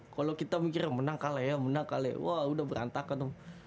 kalau kita mikir menang kali ya menang kali ya wah udah berantakan